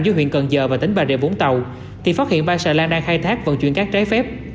giữa huyện cần giờ và tỉnh bà rịa vũng tàu thì phát hiện ba xà lan đang khai thác vận chuyển các trái phép